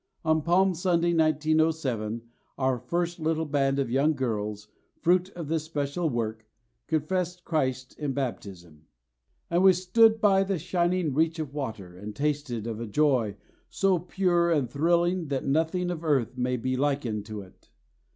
On Palm Sunday, 1907, our first little band of young girls, fruit of this special work, confessed Christ in baptism, and we stood by the shining reach of water, and tasted of a joy so pure and thrilling that nothing of earth may be likened to it.